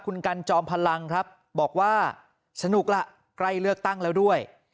คุณกันจอมพลังครับบอกว่าสนุกล่ะใกล้เลือกตั้งแล้วด้วย